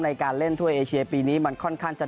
ในการเล่นทั่วเอเชียปีนี้มันค่อนข้างจะ